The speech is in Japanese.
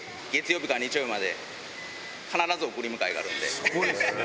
えー、すごいですね。